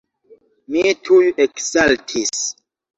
Mi tuj eksaltis.